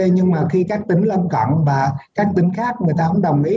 nhưng mà khi các tỉnh lâm cận và các tỉnh khác người ta không đồng ý